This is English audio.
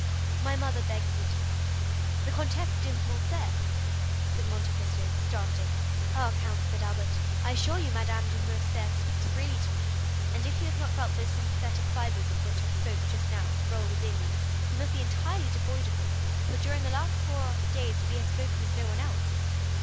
"My mother begs you to come." "The Comtesse de Morcerf?" said Monte Cristo, starting. "Ah, count," said Albert, "I assure you Madame de Morcerf speaks freely to me, and if you have not felt those sympathetic fibres of which I spoke just now thrill within you, you must be entirely devoid of them, for during the last four days we have spoken of no one else."